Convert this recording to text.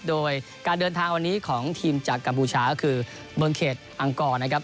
โดยการเดินทางวันนี้ของทีมจากกัมพูชาก็คือเมืองเขตอังกรนะครับ